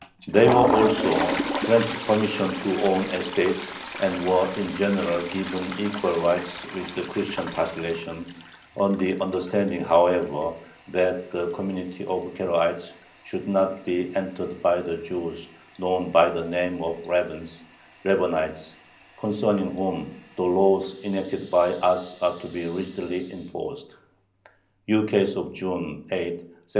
They were also granted permission to own estates, and were in general given equal rights with the Christian population, "on the understanding, however, that the community of Karaites should not be entered by the Jews known by the name of Rabins (Rabbanites), concerning whom the laws enacted by us are to be rigidly enforced" (ukase of June 8, 1795).